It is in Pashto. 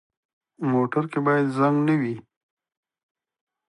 موټر کې باید زنګ نه وي.